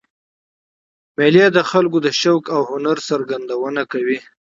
مېلې د خلکو د ذوق او هنر څرګندونه کوي.